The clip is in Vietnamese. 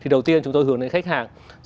thì đầu tiên chúng tôi hướng đến khách hàng